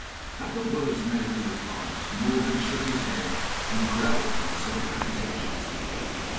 At the words "medical advice" Morgan shook his head and growled to himself contemptuously.